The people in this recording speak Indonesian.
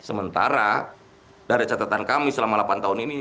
sementara dari catatan kami selama delapan tahun ini